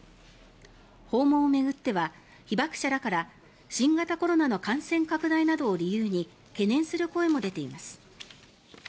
訪問を巡っては被爆者らから新型コロナの感染拡大などを理由に懸念する声も出ています。